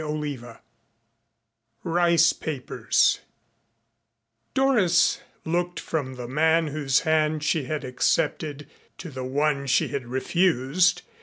CHAPTER III RICE PAPERS Doris looked from the man whose hand she had accepted to the one she had refused.